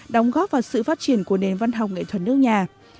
đóng góp vào sự phát triển của nền văn học nghệ thuật nước nhà